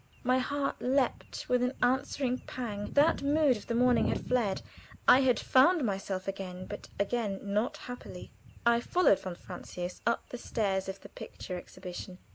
My heart leaped with an answering pang. That mood of the morning had fled. I had "found myself again," but again not "happily." I followed von Francius up the stairs of the picture exhibition.